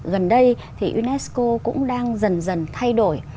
gần đây thì unesco cũng đang dần dần thay đổi